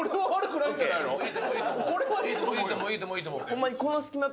これはいいと思うよ。